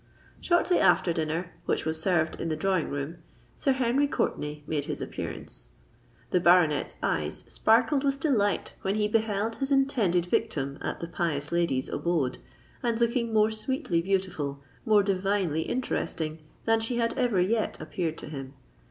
Shortly after dinner, which was served in the drawing room, Sir Henry Courtenay made his appearance. The baronet's eyes sparkled with delight when he beheld his intended victim at the pious lady's abode, and looking more sweetly beautiful—more divinely interesting than she had ever yet appeared to him.